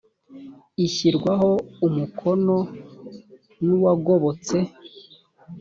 ishyirwaho umukono n ‘uwagobotse.